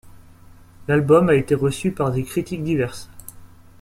L'album a été reçu par des critiques diverses.